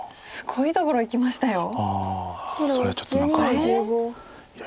それちょっと何かいろいろ。